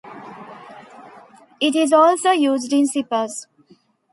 It is also used in zippers.